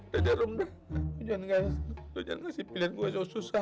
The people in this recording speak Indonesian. jadi rum jangan ngasih pilihan gua yang susah